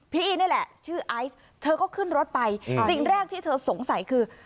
พี่นี่แหละชื่อไอซ์เธอก็ขึ้นรถไปสิ่งแรกที่เธอสงสัยคือ